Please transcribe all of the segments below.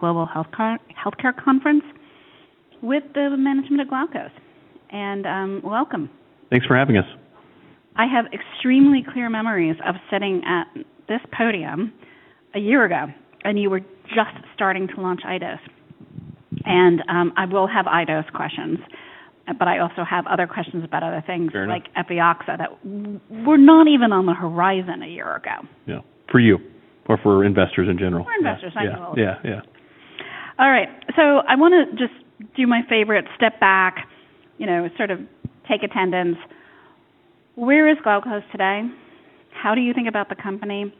Global Healthcare Conference with the management of Glaukos, and welcome. Thanks for having us. I have extremely clear memories of sitting at this podium a year ago, and you were just starting to launch iDose. And I will have iDose questions, but I also have other questions about other things. Fair enough. Like Epioxa, that were not even on the horizon a year ago. Yeah. For you, or for investors in general. For investors, I know. Yeah, yeah. All right. So I want to just do my favorite, step back, sort of take attendance. Where is Glaukos today? How do you think about the company?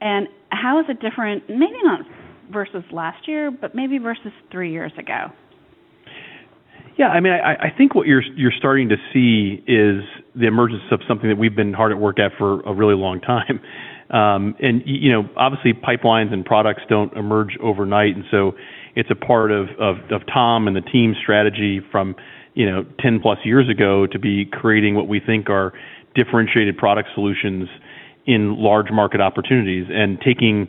And how is it different, maybe not versus last year, but maybe versus three years ago? Yeah. I mean, I think what you're starting to see is the emergence of something that we've been hard at work at for a really long time. And obviously, pipelines and products don't emerge overnight. And so it's a part of Tom and the team's strategy from 10-plus years ago to be creating what we think are differentiated product solutions in large market opportunities and taking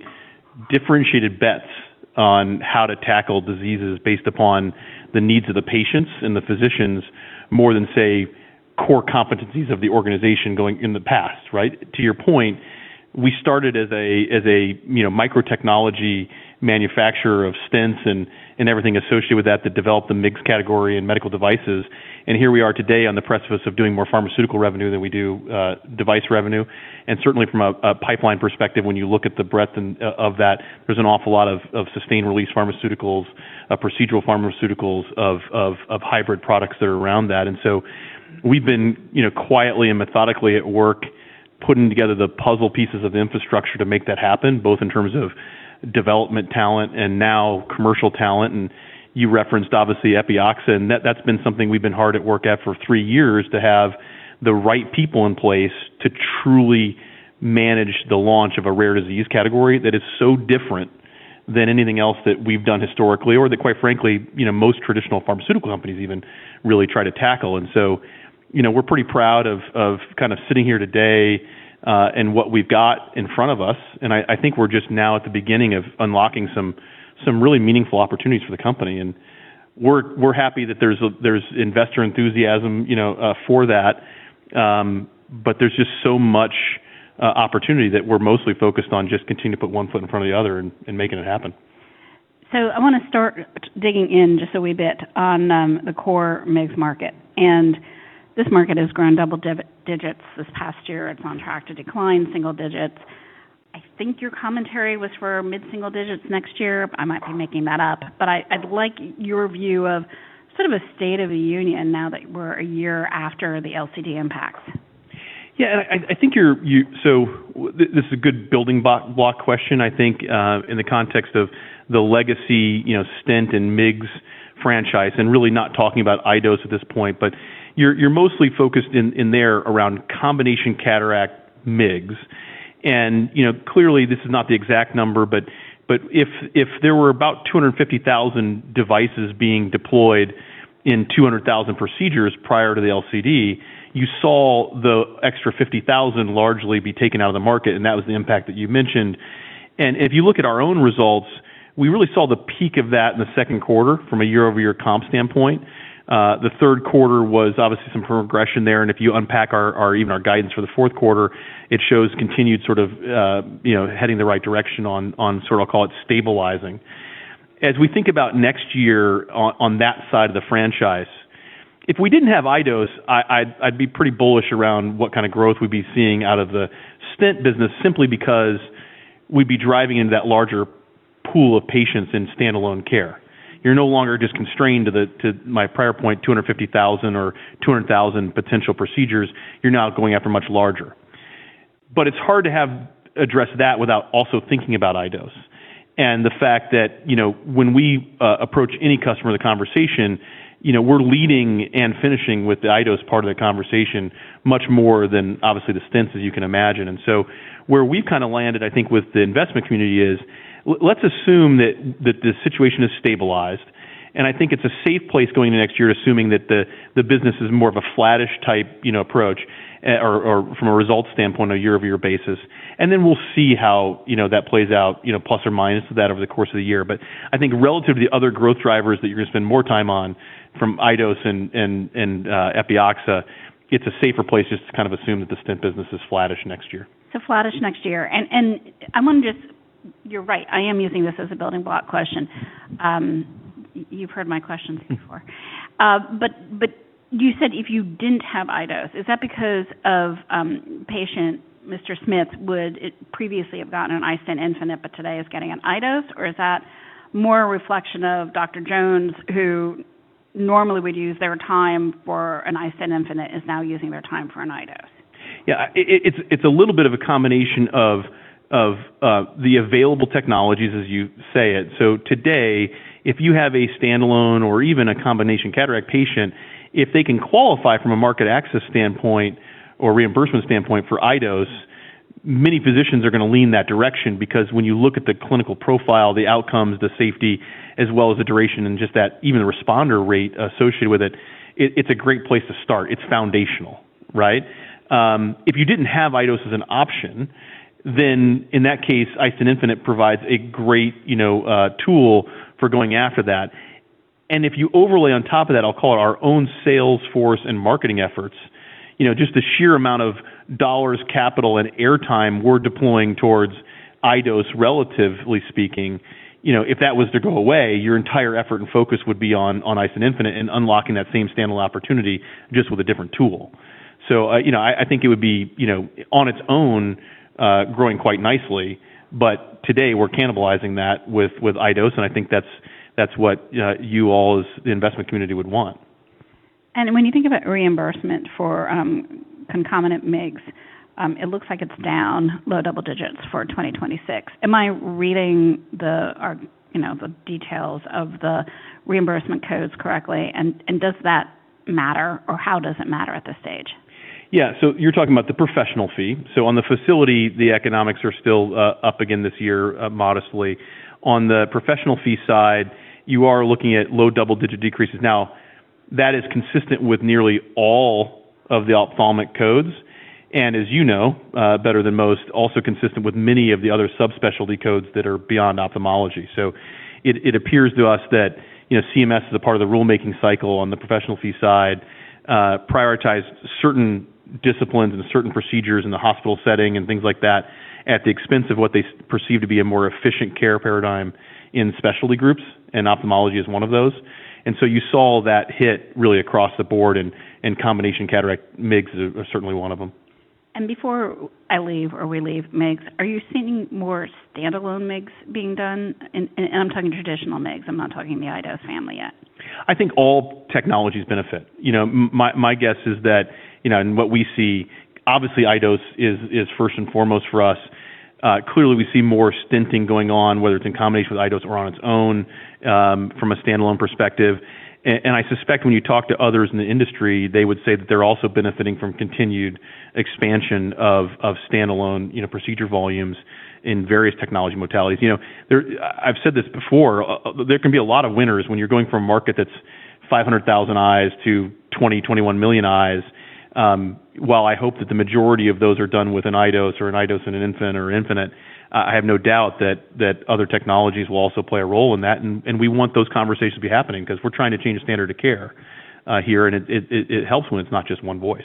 differentiated bets on how to tackle diseases based upon the needs of the patients and the physicians more than, say, core competencies of the organization going in the past, right? To your point, we started as a microtechnology manufacturer of stents and everything associated with that that developed the MIGS category in medical devices. And here we are today on the precipice of doing more pharmaceutical revenue than we do device revenue. And certainly, from a pipeline perspective, when you look at the breadth of that, there's an awful lot of sustained-release pharmaceuticals, procedural pharmaceuticals, of hybrid products that are around that. And so we've been quietly and methodically at work putting together the puzzle pieces of the infrastructure to make that happen, both in terms of development talent and now commercial talent. And you referenced, obviously, Epioxa. And that's been something we've been hard at work at for three years to have the right people in place to truly manage the launch of a rare disease category that is so different than anything else that we've done historically or that, quite frankly, most traditional pharmaceutical companies even really try to tackle. And so we're pretty proud of kind of sitting here today and what we've got in front of us. And I think we're just now at the beginning of unlocking some really meaningful opportunities for the company. And we're happy that there's investor enthusiasm for that. But there's just so much opportunity that we're mostly focused on just continuing to put one foot in front of the other and making it happen. So I want to start digging in just a wee bit on the core MIGS market. And this market has grown double digits this past year. It's on track to decline single digits. I think your commentary was for mid-single digits next year. I might be making that up. But I'd like your view of sort of a state of the union now that we're a year after the LCD impacts. Yeah. And I think you're so this is a good building block question, I think, in the context of the legacy stent and MIGS franchise and really not talking about iDose at this point. But you're mostly focused in there around combination cataract MIGS. And clearly, this is not the exact number, but if there were about 250,000 devices being deployed in 200,000 procedures prior to the LCD, you saw the extra 50,000 largely be taken out of the market. And that was the impact that you mentioned. And if you look at our own results, we really saw the peak of that in the second quarter from a year-over-year comp standpoint. The third quarter was obviously some progression there. And if you unpack even our guidance for the fourth quarter, it shows continued sort of heading the right direction on sort of, I'll call it, stabilizing. As we think about next year on that side of the franchise, if we didn't have iDose, I'd be pretty bullish around what kind of growth we'd be seeing out of the stent business simply because we'd be driving into that larger pool of patients in standalone care. You're no longer just constrained to my prior point, 250,000 or 200,000 potential procedures. You're now going after much larger. But it's hard to address that without also thinking about iDose and the fact that when we approach any customer of the conversation, we're leading and finishing with the iDose part of the conversation much more than, obviously, the stents, as you can imagine. And so where we've kind of landed, I think, with the investment community is let's assume that the situation is stabilized. And I think it's a safe place going into next year, assuming that the business is more of a flattish-type approach or from a results standpoint, a year-over-year basis. And then we'll see how that plays out, plus or minus that, over the course of the year. But I think relative to the other growth drivers that you're going to spend more time on from iDose and Epioxa, it's a safer place just to kind of assume that the stent business is flattish next year. So flattish next year. And I want to just—you're right. I am using this as a building block question. You've heard my questions before. But you said if you didn't have iDose, is that because of patient Mr. Smith would previously have gotten an iStent Infinite, but today is getting an iDose? Or is that more a reflection of Dr. Jones, who normally would use their time for an iStent Infinite, is now using their time for an iDose? Yeah. It's a little bit of a combination of the available technologies, as you say it. So today, if you have a standalone or even a combination cataract patient, if they can qualify from a market access standpoint or reimbursement standpoint for iDose, many physicians are going to lean that direction because when you look at the clinical profile, the outcomes, the safety, as well as the duration and just that even responder rate associated with it, it's a great place to start. It's foundational, right? If you didn't have iDose as an option, then in that case, iStent Infinite provides a great tool for going after that. And if you overlay on top of that, I'll call it our own sales force and marketing efforts, just the sheer amount of dollars, capital, and airtime we're deploying towards iDose, relatively speaking, if that was to go away, your entire effort and focus would be on iStent Infinite and unlocking that same standalone opportunity just with a different tool. So I think it would be, on its own, growing quite nicely. But today, we're cannibalizing that with iDose. And I think that's what you all, as the investment community, would want. When you think about reimbursement for concomitant MIGS, it looks like it's down low double digits for 2026. Am I reading the details of the reimbursement codes correctly? Does that matter? How does it matter at this stage? Yeah. So you're talking about the professional fee. So on the facility, the economics are still up again this year, modestly. On the professional fee side, you are looking at low double-digit decreases. Now, that is consistent with nearly all of the ophthalmic codes. And as you know better than most, also consistent with many of the other subspecialty codes that are beyond ophthalmology. So it appears to us that CMS, as a part of the rulemaking cycle on the professional fee side, prioritized certain disciplines and certain procedures in the hospital setting and things like that at the expense of what they perceive to be a more efficient care paradigm in specialty groups. And ophthalmology is one of those. And so you saw that hit really across the board. And combination cataract MIGS is certainly one of them. And before I leave or we leave MIGS, are you seeing more standalone MIGS being done? And I'm talking traditional MIGS. I'm not talking the iDose family yet. I think all technologies benefit. My guess is that, in what we see, obviously, iDose is first and foremost for us. Clearly, we see more stenting going on, whether it's in combination with iDose or on its own from a standalone perspective. And I suspect when you talk to others in the industry, they would say that they're also benefiting from continued expansion of standalone procedure volumes in various technology modalities. I've said this before. There can be a lot of winners when you're going from a market that's 500,000 eyes to 20-21 million eyes. While I hope that the majority of those are done with an iDose or an iDose and an Infinite or Infinite, I have no doubt that other technologies will also play a role in that. And we want those conversations to be happening because we're trying to change the standard of care here. It helps when it's not just one voice.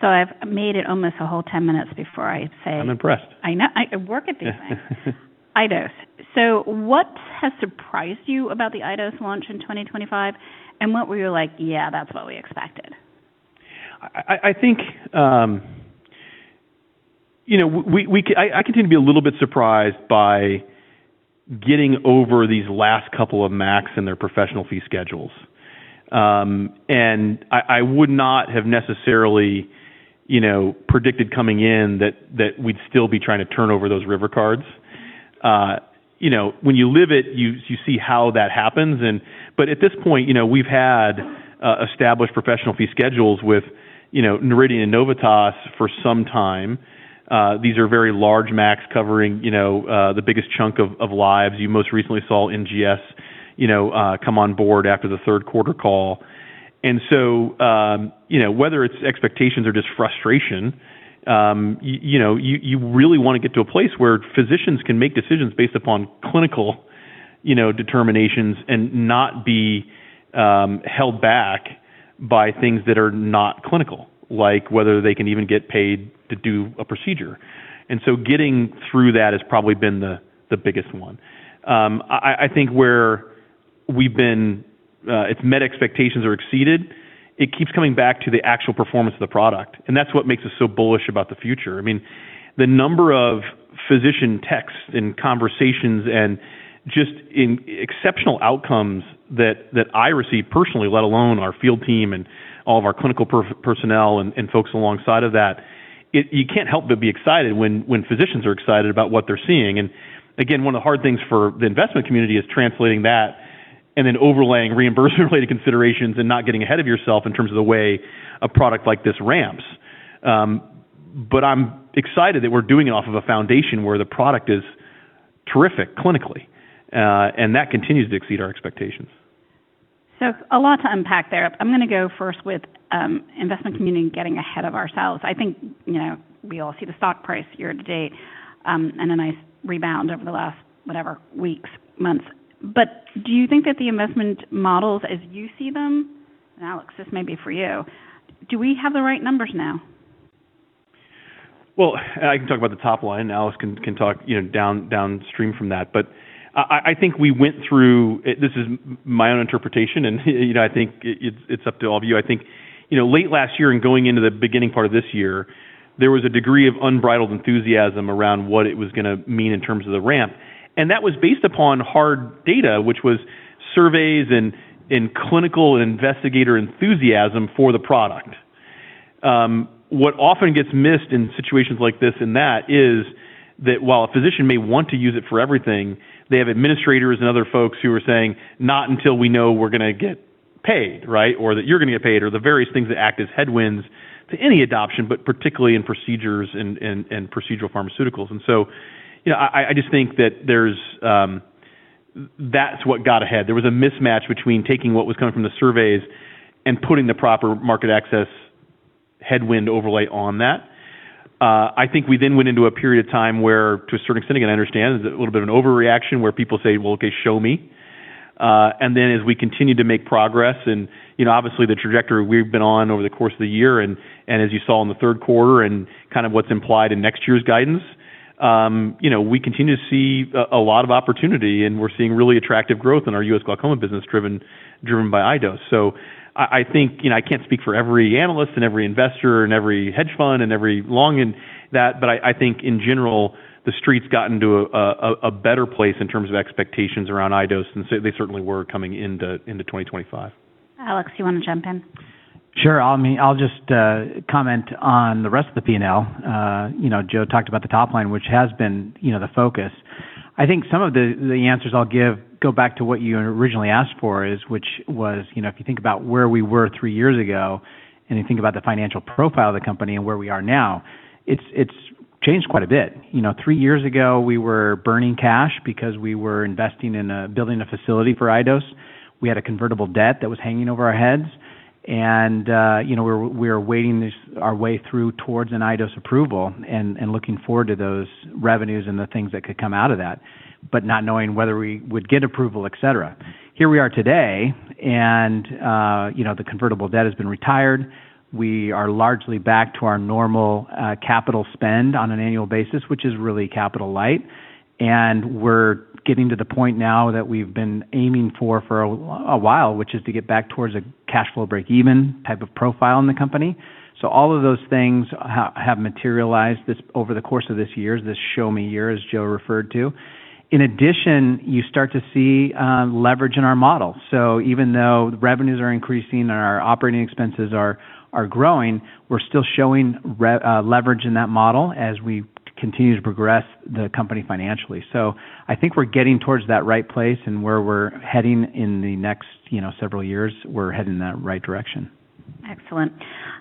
I've made it almost a whole 10 minutes before I say. I'm impressed. I work at these things. iDose. So what has surprised you about the iDose launch in 2025? And what were you like, "Yeah, that's what we expected"? I think I continue to be a little bit surprised by getting over these last couple of MACs in their professional fee schedules. And I would not have necessarily predicted coming in that we'd still be trying to turn over those river cards. When you live it, you see how that happens. But at this point, we've had established professional fee schedules with Noridian and Novitas for some time. These are very large MACs covering the biggest chunk of lives. You most recently saw NGS come on board after the third quarter call. And so whether it's expectations or just frustration, you really want to get to a place where physicians can make decisions based upon clinical determinations and not be held back by things that are not clinical, like whether they can even get paid to do a procedure. And so getting through that has probably been the biggest one. I think where we've been, if Medicare expectations are exceeded, it keeps coming back to the actual performance of the product. And that's what makes us so bullish about the future. I mean, the number of physician texts and conversations and just exceptional outcomes that I receive personally, let alone our field team and all of our clinical personnel and folks alongside of that. You can't help but be excited when physicians are excited about what they're seeing. And again, one of the hard things for the investment community is translating that and then overlaying reimbursement-related considerations and not getting ahead of yourself in terms of the way a product like this ramps. But I'm excited that we're doing it off of a foundation where the product is terrific clinically. And that continues to exceed our expectations. So a lot to unpack there. I'm going to go first with investment community and getting ahead of ourselves. I think we all see the stock price year to date and a nice rebound over the last, whatever, weeks, months. But do you think that the investment models, as you see them? And Alex, this may be for you. Do we have the right numbers now? I can talk about the top line. Alex can talk downstream from that. I think we went through this. This is my own interpretation. I think it's up to all of you. I think late last year and going into the beginning part of this year, there was a degree of unbridled enthusiasm around what it was going to mean in terms of the ramp. That was based upon hard data, which was surveys and clinical and investigator enthusiasm for the product. What often gets missed in situations like this is that while a physician may want to use it for everything, they have administrators and other folks who are saying, "Not until we know we're going to get paid," right? Or that you're going to get paid or the various things that act as headwinds to any adoption, but particularly in procedures and procedural pharmaceuticals. And so I just think that that's what got ahead. There was a mismatch between taking what was coming from the surveys and putting the proper market access headwind overlay on that. I think we then went into a period of time where, to a certain extent, again, I understand, it's a little bit of an overreaction where people say, "Well, okay, show me." And then as we continue to make progress and obviously the trajectory we've been on over the course of the year and as you saw in the third quarter and kind of what's implied in next year's guidance, we continue to see a lot of opportunity. And we're seeing really attractive growth in our U.S. glaucoma business driven by iDose. So I think I can't speak for every analyst and every investor and every hedge fund and every long in that. But I think in general, the street's gotten to a better place in terms of expectations around iDose. And they certainly were coming into 2025. Alex, you want to jump in? Sure. I'll just comment on the rest of the P&L. Joe talked about the top line, which has been the focus. I think some of the answers I'll give go back to what you originally asked for, which was if you think about where we were three years ago and you think about the financial profile of the company and where we are now, it's changed quite a bit. Three years ago, we were burning cash because we were investing in building a facility for iDose. We had a convertible debt that was hanging over our heads. We were working our way through towards an iDose approval and looking forward to those revenues and the things that could come out of that, but not knowing whether we would get approval, etc. Here we are today, and the convertible debt has been retired. We are largely back to our normal capital spend on an annual basis, which is really capital light, and we're getting to the point now that we've been aiming for a while, which is to get back towards a cash flow break-even type of profile in the company, so all of those things have materialized over the course of this year, this show-me year, as Joe referred to. In addition, you start to see leverage in our model, so even though revenues are increasing and our operating expenses are growing, we're still showing leverage in that model as we continue to progress the company financially, so I think we're getting towards that right place and where we're heading in the next several years. We're heading in that right direction. Excellent.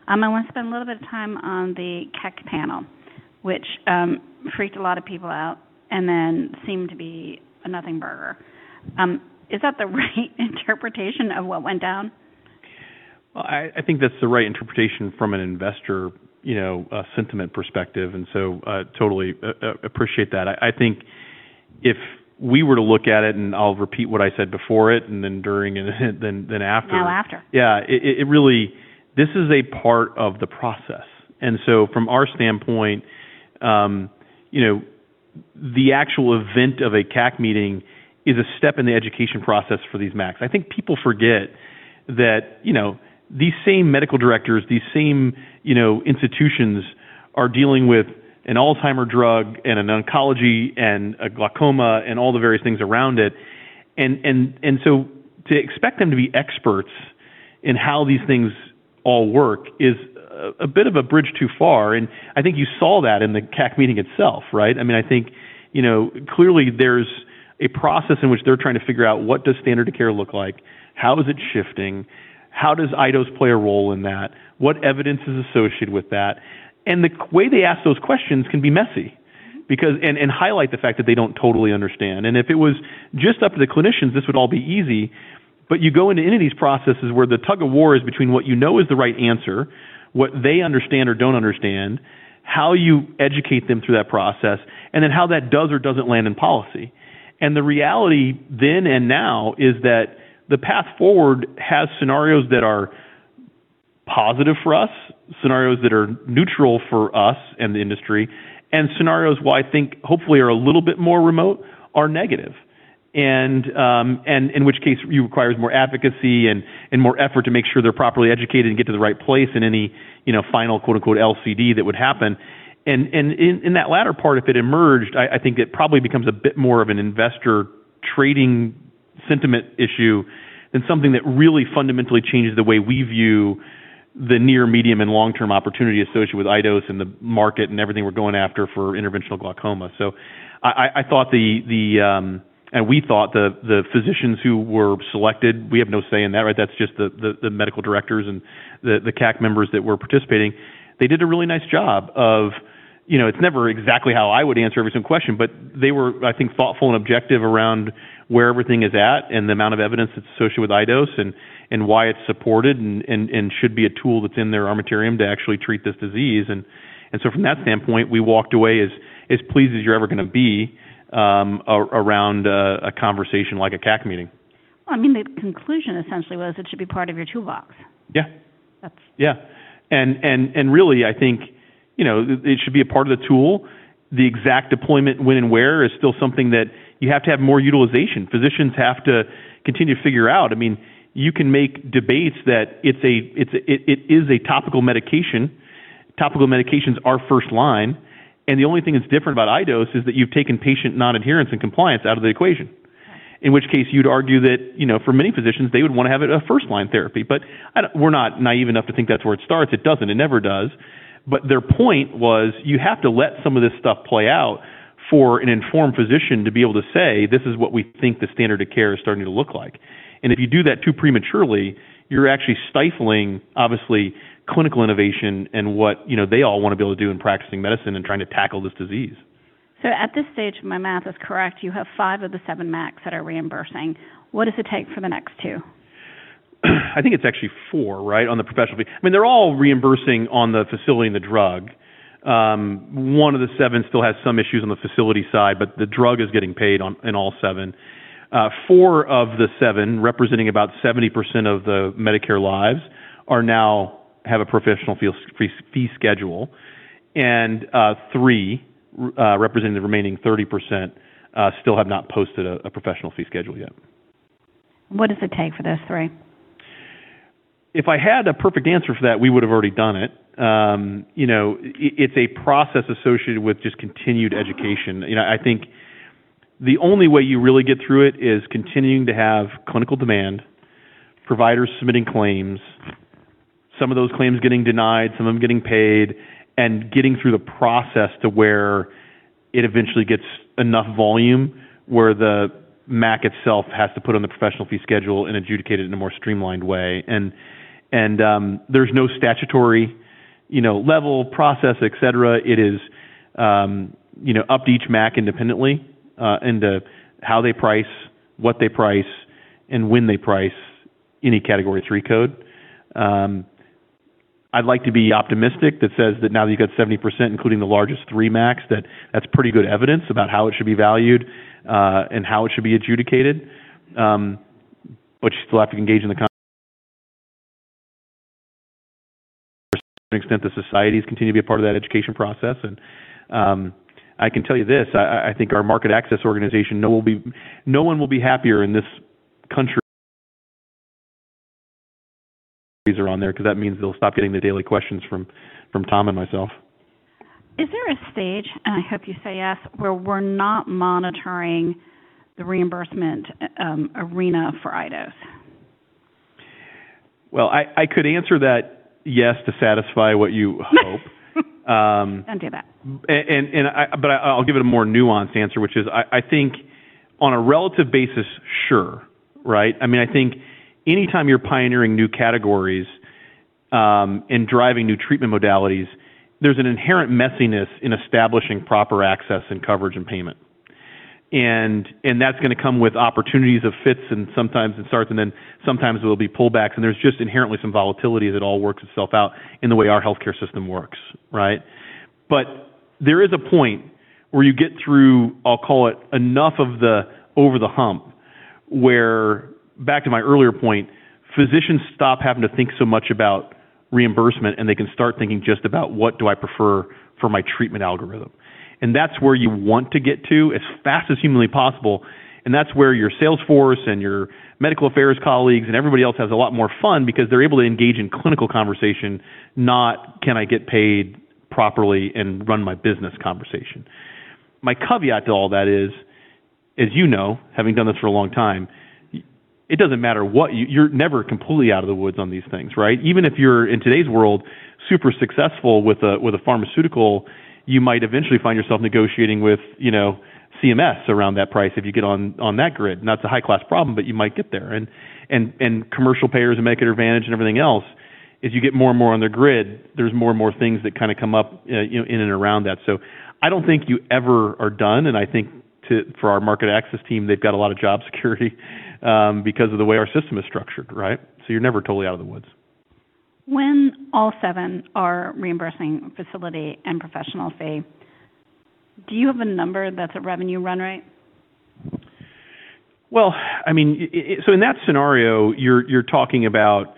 I want to spend a little bit of time on the CAC panel, which freaked a lot of people out and then seemed to be a nothing burger. Is that the right interpretation of what went down? Well, I think that's the right interpretation from an investor sentiment perspective. And so totally appreciate that. I think if we were to look at it, and I'll repeat what I said before it and then during and then after. Now after. Yeah. This is a part of the process. And so from our standpoint, the actual event of a CAC meeting is a step in the education process for these MACs. I think people forget that these same medical directors, these same institutions are dealing with an Alzheimer's drug and an oncology and a glaucoma and all the various things around it. And so to expect them to be experts in how these things all work is a bit of a bridge too far. And I think you saw that in the CAC meeting itself, right? I mean, I think clearly there's a process in which they're trying to figure out what does standard of care look like, how is it shifting, how does iDose play a role in that, what evidence is associated with that. And the way they ask those questions can be messy and highlight the fact that they don't totally understand. And if it was just up to the clinicians, this would all be easy. But you go into any of these processes where the tug of war is between what you know is the right answer, what they understand or don't understand, how you educate them through that process, and then how that does or doesn't land in policy. And the reality then and now is that the path forward has scenarios that are positive for us, scenarios that are neutral for us and the industry, and scenarios why I think hopefully are a little bit more remote are negative, in which case it requires more advocacy and more effort to make sure they're properly educated and get to the right place in any final "LCD" that would happen. And in that latter part, if it emerged, I think it probably becomes a bit more of an investor trading sentiment issue than something that really fundamentally changes the way we view the near, medium, and long-term opportunity associated with iDose and the market and everything we're going after for interventional glaucoma. So I thought, and we thought, the physicians who were selected, we have no say in that, right? That's just the medical directors and the CAC members that were participating. They did a really nice job of. It's never exactly how I would answer every single question, but they were, I think, thoughtful and objective around where everything is at and the amount of evidence that's associated with iDose and why it's supported and should be a tool that's in their armamentarium to actually treat this disease. And so from that standpoint, we walked away as pleased as you're ever going to be around a conversation like a CAC meeting. I mean, the conclusion essentially was it should be part of your toolbox. Yeah. Yeah. And really, I think it should be a part of the tool. The exact deployment, when and where, is still something that you have to have more utilization. Physicians have to continue to figure out. I mean, you can make debates that it is a topical medication. Topical medications are first line. And the only thing that's different about iDose is that you've taken patient non-adherence and compliance out of the equation, in which case you'd argue that for many physicians, they would want to have it a first-line therapy. But we're not naive enough to think that's where it starts. It doesn't. It never does. Their point was you have to let some of this stuff play out for an informed physician to be able to say, "This is what we think the standard of care is starting to look like." If you do that too prematurely, you're actually stifling, obviously, clinical innovation and what they all want to be able to do in practicing medicine and trying to tackle this disease. At this stage, my math is correct. You have five of the seven MACs that are reimbursing. What does it take for the next two? I think it's actually four, right, on the professional fee. I mean, they're all reimbursing on the facility and the drug. One of the seven still has some issues on the facility side, but the drug is getting paid in all seven. Four of the seven, representing about 70% of the Medicare lives, now have a professional fee schedule, and three, representing the remaining 30%, still have not posted a professional fee schedule yet. What does it take for those three? If I had a perfect answer for that, we would have already done it. It's a process associated with just continued education. I think the only way you really get through it is continuing to have clinical demand, providers submitting claims, some of those claims getting denied, some of them getting paid, and getting through the process to where it eventually gets enough volume where the MAC itself has to put on the professional fee schedule and adjudicate it in a more streamlined way, and there's no statutory level, process, etc. It is up to each MAC independently and how they price, what they price, and when they price any Category III code. I'd like to be optimistic that says that now that you've got 70%, including the largest three MACs, that that's pretty good evidence about how it should be valued and how it should be adjudicated. But you still have to engage in the conversation to an extent. The society has continued to be a part of that education process. And I can tell you this. I think our market access organization. No one will be happier in this country or another because that means they'll stop getting the daily questions from Tom and myself. Is there a stage, and I hope you say yes, where we're not monitoring the reimbursement arena for iDose? I could answer that yes to satisfy what you hope. Don't do that. But I'll give it a more nuanced answer, which is I think on a relative basis, sure, right? I mean, I think anytime you're pioneering new categories and driving new treatment modalities, there's an inherent messiness in establishing proper access and coverage and payment. And that's going to come with fits and starts, and then sometimes there will be pullbacks. And there's just inherently some volatility that all works itself out in the way our healthcare system works, right? But there is a point where you get through. I'll call it enough to get over the hump, where back to my earlier point, physicians stop having to think so much about reimbursement, and they can start thinking just about what do I prefer for my treatment algorithm. And that's where you want to get to as fast as humanly possible. And that's where your salesforce and your medical affairs colleagues and everybody else has a lot more fun because they're able to engage in clinical conversation, not can I get paid properly and run my business conversation. My caveat to all that is, as you know, having done this for a long time, it doesn't matter what you're never completely out of the woods on these things, right? Even if you're in today's world super successful with a pharmaceutical, you might eventually find yourself negotiating with CMS around that price if you get on that grid. And that's a high-class problem, but you might get there. And commercial payers and Medicare Advantage and everything else, as you get more and more on their grid, there's more and more things that kind of come up in and around that. So I don't think you ever are done. And I think for our market access team, they've got a lot of job security because of the way our system is structured, right? So you're never totally out of the woods. When all seven are reimbursing facility and professional fee, do you have a number that's a revenue run rate? I mean, so in that scenario, you're talking about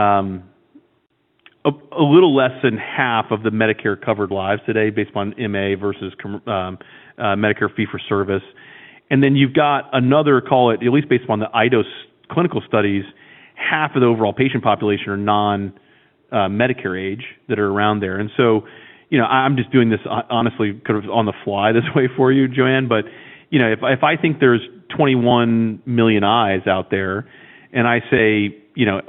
a little less than half of the Medicare-covered lives today based on MA versus Medicare fee for service. And then you've got another, call it at least based upon the iDose clinical studies, half of the overall patient population are non-Medicare age that are around there. And so I'm just doing this honestly kind of on the fly this way for you, Joanne. But if I think there's 21 million eyes out there and I say,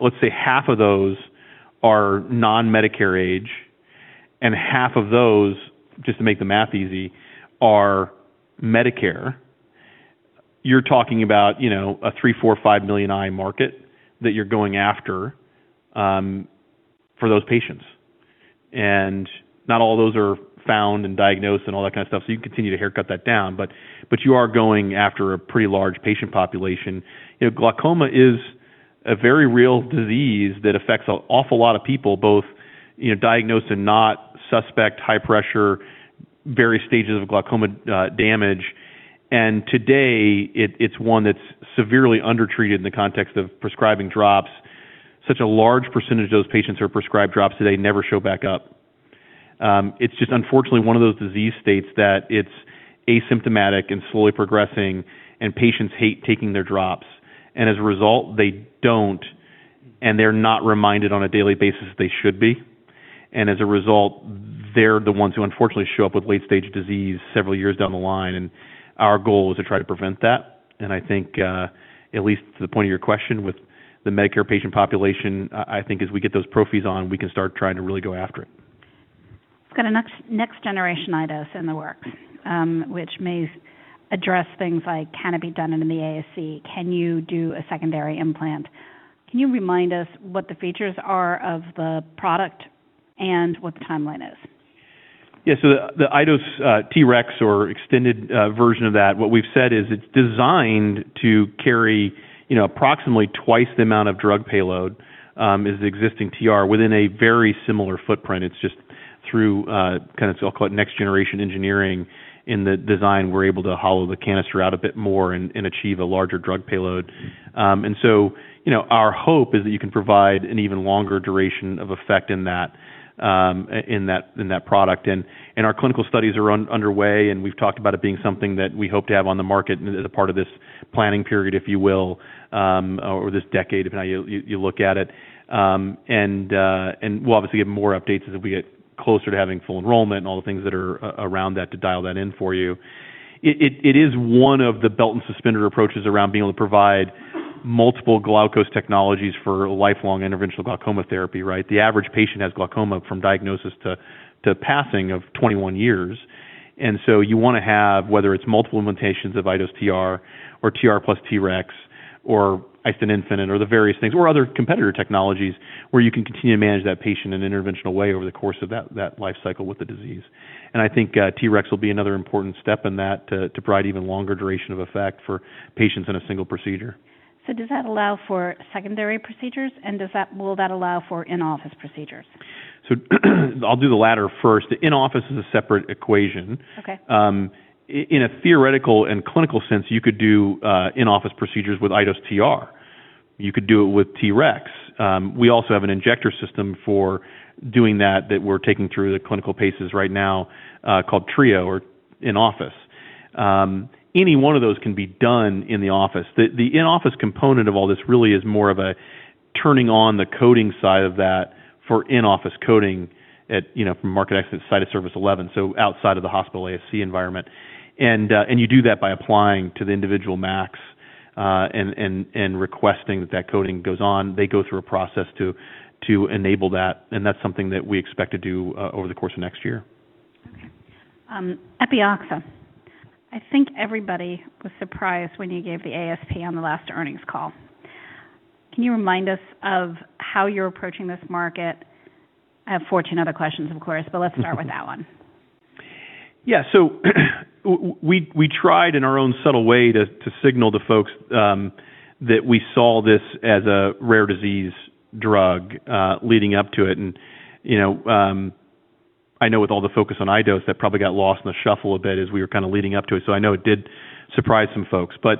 let's say half of those are non-Medicare age and half of those, just to make the math easy, are Medicare, you're talking about a 3, 4, 5 million eye market that you're going after for those patients. And not all of those are found and diagnosed and all that kind of stuff. So you continue to haircut that down. But you are going after a pretty large patient population. Glaucoma is a very real disease that affects an awful lot of people, both diagnosed and not, suspect, high pressure, various stages of glaucoma damage. And today, it's one that's severely undertreated in the context of prescribing drops. Such a large percentage of those patients who are prescribed drops today never show back up. It's just unfortunately one of those disease states that it's asymptomatic and slowly progressing, and patients hate taking their drops. And as a result, they don't, and they're not reminded on a daily basis that they should be. And as a result, they're the ones who unfortunately show up with late-stage disease several years down the line. And our goal is to try to prevent that. And I think at least to the point of your question with the Medicare patient population, I think as we get those policies on, we can start trying to really go after it. We've got a next-generation iDose in the works, which may address things like, can it be done in the ASC? Can you do a secondary implant? Can you remind us what the features are of the product and what the timeline is? Yeah. So the iDose TREX or extended version of that, what we've said is it's designed to carry approximately twice the amount of drug payload as the existing iDose TR within a very similar footprint. It's just through kind of, I'll call it next-generation engineering in the design, we're able to hollow the canister out a bit more and achieve a larger drug payload. And so our hope is that you can provide an even longer duration of effect in that product. And our clinical studies are underway, and we've talked about it being something that we hope to have on the market as a part of this planning period, if you will, or this decade of how you look at it. And we'll obviously give more updates as we get closer to having full enrollment and all the things that are around that to dial that in for you. It is one of the belt-and-suspenders approaches around being able to provide multiple Glaukos technologies for lifelong interventional glaucoma therapy, right? The average patient has glaucoma from diagnosis to passage of 21 years. So you want to have, whether it's multiple implementations of iDose TR or TR plus TREX or iStent Infinite or the various things or other competitor technologies where you can continue to manage that patient in an interventional way over the course of that life cycle with the disease. I think TREX will be another important step in that to provide even longer duration of effect for patients in a single procedure. So does that allow for secondary procedures, and will that allow for in-office procedures? I'll do the latter first. The in-office is a separate equation. In a theoretical and clinical sense, you could do in-office procedures with iDose TR. You could do it with iDose TREX. We also have an injector system for doing that that we're taking through the clinical paces right now called Trio in-office. Any one of those can be done in the office. The in-office component of all this really is more of a turning on the coding side of that for in-office coding from market access side of service 11, so outside of the hospital ASC environment. And you do that by applying to the individual MACs and requesting that that coding goes on. They go through a process to enable that. And that's something that we expect to do over the course of next year. Okay. Epioxa. I think everybody was surprised when you gave the ASP on the last earnings call. Can you remind us of how you're approaching this market? I have 14 other questions, of course, but let's start with that one. Yeah. So we tried in our own subtle way to signal to folks that we saw this as a rare disease drug leading up to it. And I know with all the focus on iDose, that probably got lost in the shuffle a bit as we were kind of leading up to it. So I know it did surprise some folks. But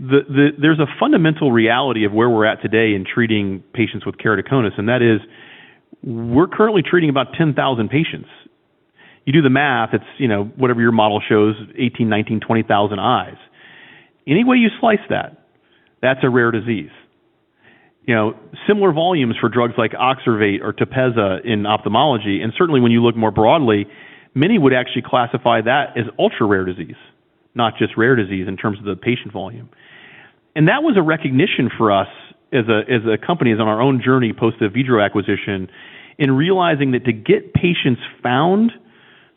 there's a fundamental reality of where we're at today in treating patients with keratoconus, and that is we're currently treating about 10,000 patients. You do the math, it's whatever your model shows, 18, 19, 20,000 eyes. Any way you slice that, that's a rare disease. Similar volumes for drugs like Oxervate or Tepezza in ophthalmology, and certainly when you look more broadly, many would actually classify that as ultra-rare disease, not just rare disease in terms of the patient volume. And that was a recognition for us as a company, as on our own journey post-Avedro acquisition, in realizing that to get patients found,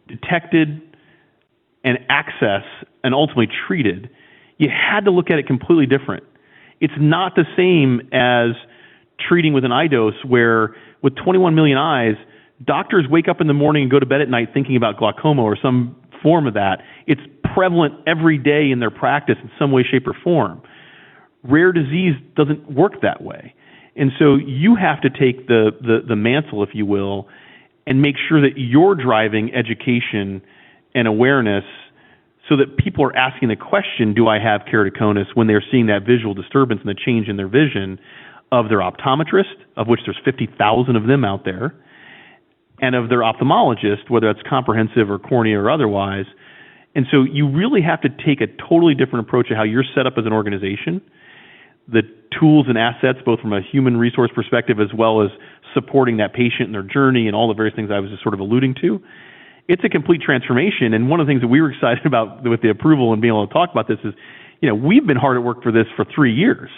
detected, and accessed, and ultimately treated, you had to look at it completely different. It's not the same as treating with an iDose where with 21 million eyes, doctors wake up in the morning and go to bed at night thinking about glaucoma or some form of that. It's prevalent every day in their practice in some way, shape, or form. Rare disease doesn't work that way. You have to take the mantle, if you will, and make sure that you're driving education and awareness so that people are asking the question, "Do I have keratoconus?" when they're seeing that visual disturbance and the change in their vision of their optometrist, of which there's 50,000 of them out there, and of their ophthalmologist, whether it's comprehensive or cornea or otherwise. You really have to take a totally different approach to how you're set up as an organization. The tools and assets, both from a human resource perspective as well as supporting that patient in their journey and all the various things I was just sort of alluding to, it's a complete transformation. One of the things that we were excited about with the approval and being able to talk about this is we've been hard at work for this for three years.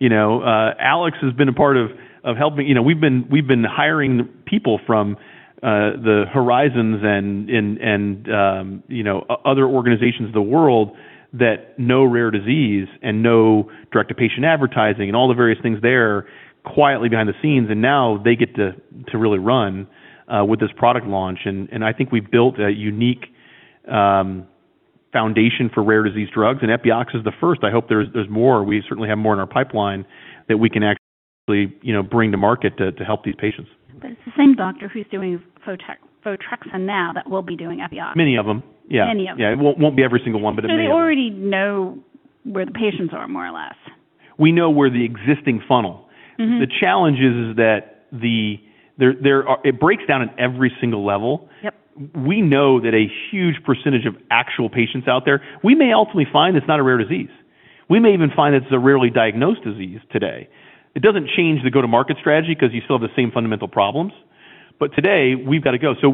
Alex has been a part of helping. We've been hiring people from the Horizon and other organizations of the world that know rare disease and know direct-to-patient advertising and all the various things there quietly behind the scenes, and now they get to really run with this product launch. I think we've built a unique foundation for rare disease drugs, and Epioxa is the first. I hope there's more. We certainly have more in our pipeline that we can actually bring to market to help these patients. But it's the same doctor who's doing Photrexa now that will be doing Epioxa. Many of them. Yeah. Many of them. Yeah. It won't be every single one, but it may. So you already know where the patients are more or less. We know where the existing funnel. The challenge is that it breaks down at every single level. We know that a huge percentage of actual patients out there, we may ultimately find it's not a rare disease. We may even find that it's a rarely diagnosed disease today. It doesn't change the go-to-market strategy because you still have the same fundamental problems. But today, we've got to go. So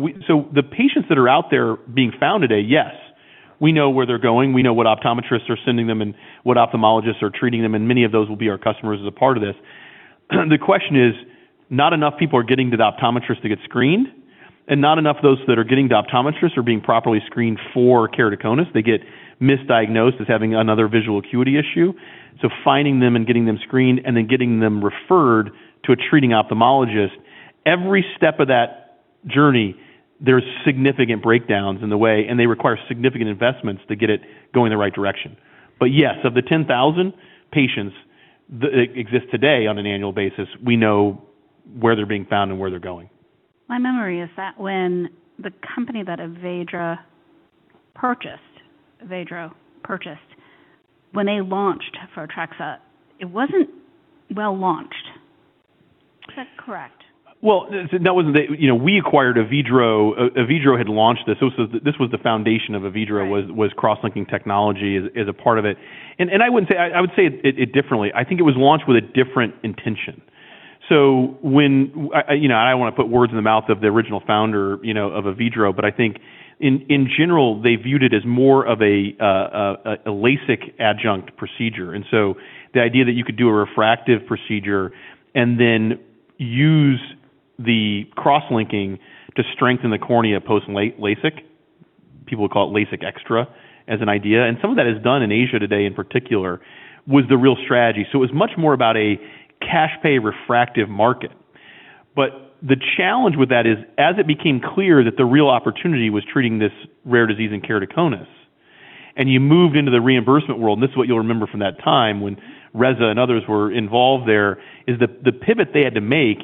the patients that are out there being found today, yes, we know where they're going. We know what optometrists are sending them and what ophthalmologists are treating them. And many of those will be our customers as a part of this. The question is not enough people are getting to the optometrist to get screened, and not enough of those that are getting to the optometrist are being properly screened for keratoconus. They get misdiagnosed as having another visual acuity issue. Finding them and getting them screened and then getting them referred to a treating ophthalmologist, every step of that journey, there's significant breakdowns in the way, and they require significant investments to get it going the right direction. Yes, of the 10,000 patients that exist today on an annual basis, we know where they're being found and where they're going. My memory is that when the company that Avedro purchased, when they launched Photrexa, it wasn't well launched. Is that correct? That wasn't the we acquired Avedro. Avedro had launched this. This was the foundation of Avedro, cross-linking technology as a part of it. And I would say it differently. I think it was launched with a different intention. So I don't want to put words in the mouth of the original founder of Avedro, but I think in general, they viewed it as more of a LASIK adjunct procedure. And so the idea that you could do a refractive procedure and then use the cross-linking to strengthen the cornea post-LASIK, people would call it LASIK extra as an idea. And some of that is done in Asia today in particular, was the real strategy. So it was much more about a cash-pay refractive market. But the challenge with that is, as it became clear that the real opportunity was treating this rare disease and keratoconus, and you moved into the reimbursement world, and this is what you'll remember from that time when Reza and others were involved there, is that the pivot they had to make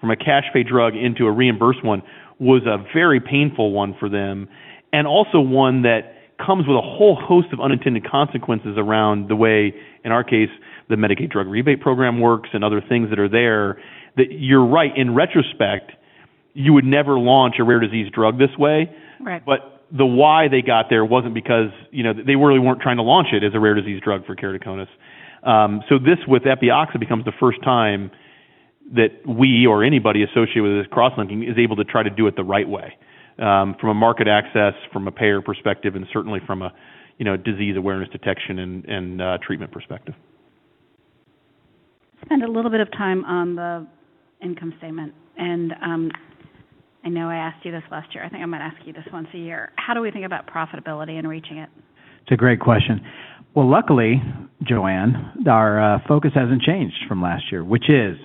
from a cash-pay drug into a reimbursed one was a very painful one for them and also one that comes with a whole host of unintended consequences around the way, in our case, the Medicaid drug rebate program works and other things that are there that you're right, in retrospect, you would never launch a rare disease drug this way. But the why they got there wasn't because they really weren't trying to launch it as a rare disease drug for keratoconus. This with Epioxa becomes the first time that we or anybody associated with this cross-linking is able to try to do it the right way from a market access, from a payer perspective, and certainly from a disease awareness detection and treatment perspective. Spend a little bit of time on the income statement. And I know I asked you this last year. I think I might ask you this once a year. How do we think about profitability and reaching it? It's a great question, well, luckily, Joanne, our focus hasn't changed from last year, which is,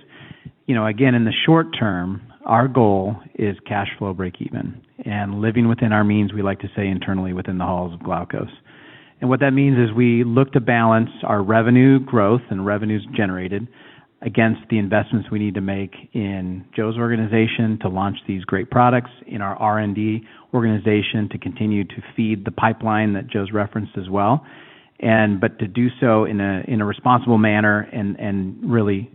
again, in the short term, our goal is cash flow breakeven and living within our means, we like to say internally within the halls of Glaukos. And what that means is we look to balance our revenue growth and revenues generated against the investments we need to make in Joe's organization to launch these great products, in our R&D organization to continue to feed the pipeline that Joe's referenced as well, but to do so in a responsible manner and really,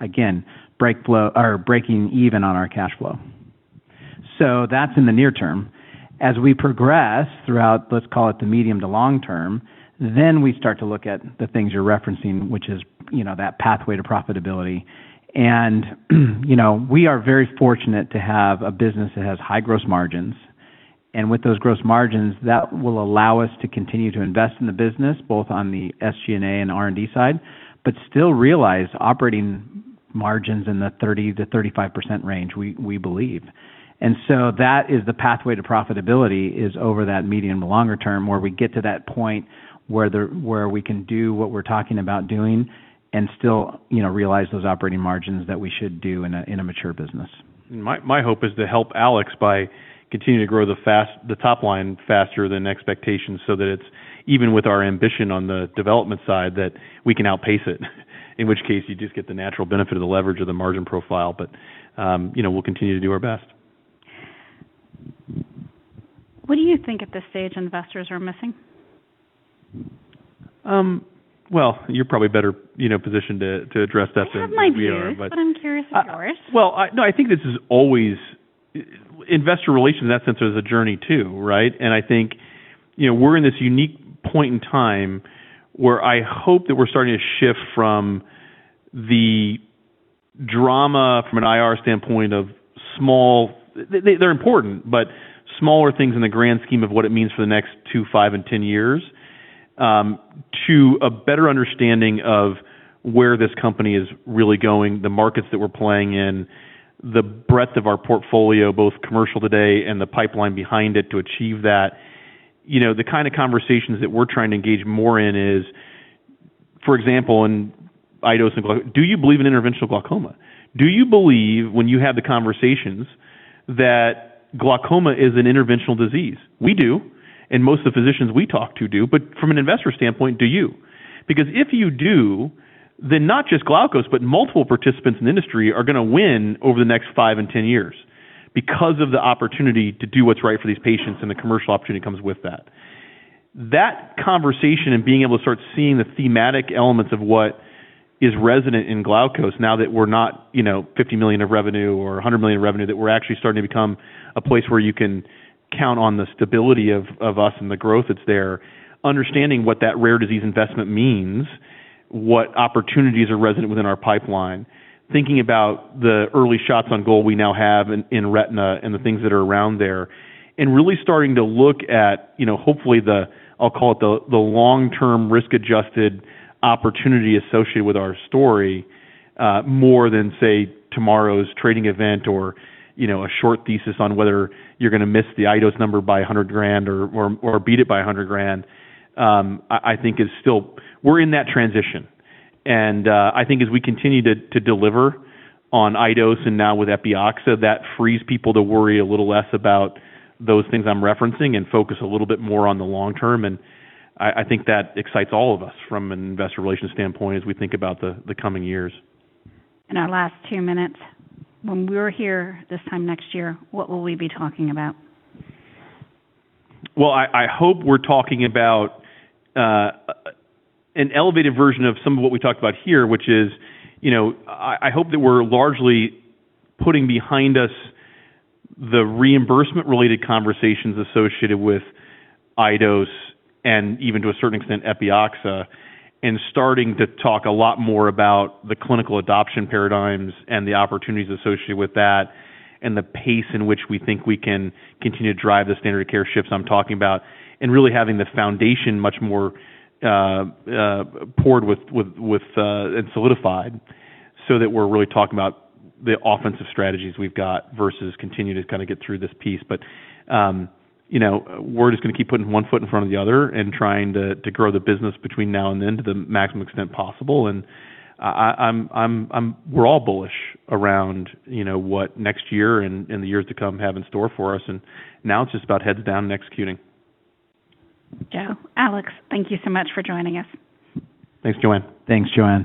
again, breaking even on our cash flow. So that's in the near term. As we progress throughout, let's call it the medium to long term, then we start to look at the things you're referencing, which is that pathway to profitability. We are very fortunate to have a business that has high gross margins. With those gross margins, that will allow us to continue to invest in the business, both on the SG&A and R&D side, but still realize operating margins in the 30% to 35% range, we believe. So that is the pathway to profitability is over that medium to longer term where we get to that point where we can do what we're talking about doing and still realize those operating margins that we should do in a mature business. My hope is to help Alex by continuing to grow the top line faster than expectations so that it's even with our ambition on the development side that we can outpace it, in which case you just get the natural benefit of the leverage of the margin profile. But we'll continue to do our best. What do you think at this stage investors are missing? You're probably better positioned to address that than we are. This isn't my deal, but I'm curious of yours. No, I think this is always investor relations in that sense is a journey too, right? And I think we're in this unique point in time where I hope that we're starting to shift from the drama from an IR standpoint of small they're important, but smaller things in the grand scheme of what it means for the next two, five, and 10 years to a better understanding of where this company is really going, the markets that we're playing in, the breadth of our portfolio, both commercial today and the pipeline behind it to achieve that. The kind of conversations that we're trying to engage more in is, for example, in iDose and Glaukos, do you believe in interventional glaucoma? Do you believe when you have the conversations that glaucoma is an interventional disease? We do. And most of the physicians we talk to do. But from an investor standpoint, do you? Because if you do, then not just Glaukos, but multiple participants in the industry are going to win over the next five and 10 years because of the opportunity to do what's right for these patients and the commercial opportunity that comes with that. That conversation and being able to start seeing the thematic elements of what is resident in Glaukos now that we're not $50 million of revenue or $100 million of revenue, that we're actually starting to become a place where you can count on the stability of us and the growth that's there, understanding what that rare disease investment means, what opportunities are resident within our pipeline, thinking about the early shots on goal we now have in retina and the things that are around there, and really starting to look at hopefully the, I'll call it the long-term risk-adjusted opportunity associated with our story more than, say, tomorrow's trading event or a short thesis on whether you're going to miss the iDose number by $100,000 or beat it by $100,000, I think is still we're in that transition. And I think as we continue to deliver on iDose and now with Epioxa, that frees people to worry a little less about those things I'm referencing and focus a little bit more on the long term. And I think that excites all of us from an investor relations standpoint as we think about the coming years. In our last two minutes, when we're here this time next year, what will we be talking about? I hope we're talking about an elevated version of some of what we talked about here, which is I hope that we're largely putting behind us the reimbursement-related conversations associated with iDose and even to a certain extent Epioxa, and starting to talk a lot more about the clinical adoption paradigms and the opportunities associated with that and the pace in which we think we can continue to drive the standard of care shifts I'm talking about, and really having the foundation much more poured with and solidified so that we're really talking about the offensive strategies we've got versus continue to kind of get through this piece. We're just going to keep putting one foot in front of the other and trying to grow the business between now and then to the maximum extent possible. We're all bullish around what next year and the years to come have in store for us. Now it's just about heads down and executing. Joe, Alex, thank you so much for joining us. Thanks, Joanne. Thanks, Joanne.